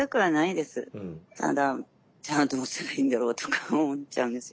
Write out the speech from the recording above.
ただじゃあどうしたらいいんだろうとか思っちゃうんですよね。